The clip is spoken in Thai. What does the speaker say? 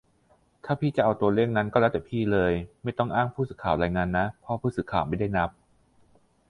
"ถ้าพี่จะเอาตัวเลขนั้นก็แล้วแต่พี่เลย ไม่ต้องอ้างผู้สื่อข่าวรายงานนะ เพราะผู้สื่อข่าวไม่ได้นับ""